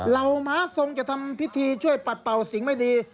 เหล่าม้าทรงจะทำพิธีช่วยปัดเป่าสิ่งไม่ดี